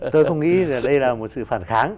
tôi không nghĩ đây là một sự phản kháng